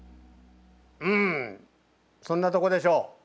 うんそんなとこでしょう。